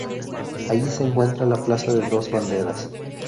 Allí se encuentra la Plaza Dos Banderas.